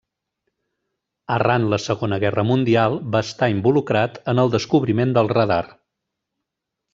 Arran la Segona Guerra Mundial va estar involucrat en el descobriment del radar.